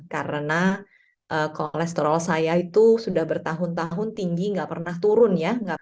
karena kolesterol saya itu sudah bertahun tahun tinggi nggak pernah turun ya